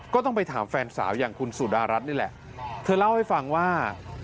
ก็ต้องไปถามแฟนสาวอย่างคุณสุดารัฐนี่แหละเธอเล่าให้ฟังว่า